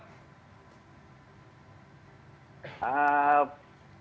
selamat siang pak